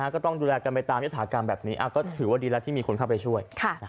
ก็ต้องดูแลกันไปตามยฐากรรมแบบนี้ก็ถือว่าดีแล้วที่มีคนเข้าไปช่วย